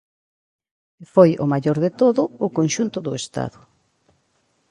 E foi o maior de todo o conxunto do Estado.